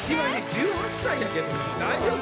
１８歳やけどな大丈夫？